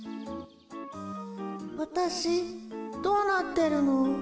わたしどうなってるの？